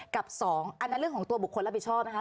กับ๒อันนั้นเรื่องของตัวบุคคลรับผิดชอบนะคะ